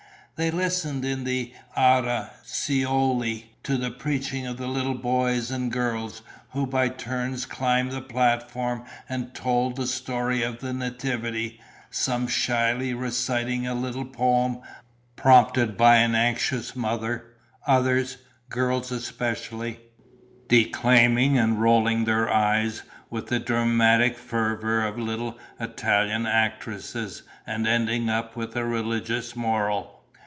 They listened in the Ara Coeli to the preaching of little boys and girls, who by turns climbed the platform and told the story of the Nativity, some shyly reciting a little poem, prompted by an anxious mother; others, girls especially, declaiming and rolling their eyes with the dramatic fervour of little Italian actresses and ending up with a religious moral.